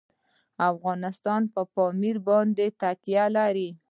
افغانستان په پامیر باندې تکیه لري.